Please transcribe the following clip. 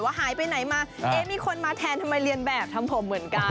หายไปไหนมาเอ๊ะมีคนมาแทนทำไมเรียนแบบทำผมเหมือนกัน